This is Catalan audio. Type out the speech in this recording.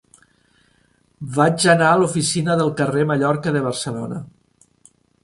Vaig anar a l'oficina del Carrer Mallorca de Barcelona.